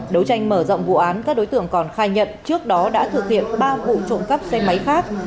đấu tranh mở rộng vụ án các đối tượng còn khai nhận trước đó đã thực hiện ba vụ trộm cắp xe máy khác